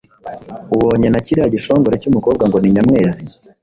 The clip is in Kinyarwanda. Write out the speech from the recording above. Ubonye na kiriya gishongore cy’umukobwa ngo ni Nyamwezi